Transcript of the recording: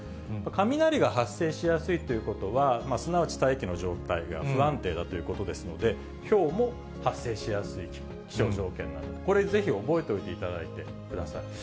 雷が発生しやすいということは、すなわち、大気の状態が不安定だということですので、ひょうも発生しやすい気象条件なんだ、これぜひ、覚えておいていただいてください。